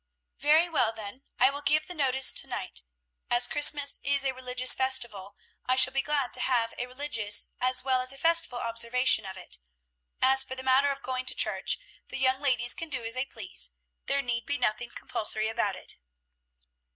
"Very well, then, I will give the notice to night. As Christmas is a religious festival, I shall be glad to have a religious as well as a festival observation of it. As for the matter of going to church, the young ladies can do as they please; there need be nothing compulsory about it."